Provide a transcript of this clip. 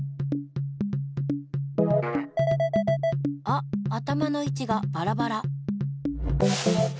あっ頭のいちがバラバラ。